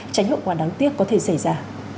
tránh hậu quả đáng tiếc có thể xảy ra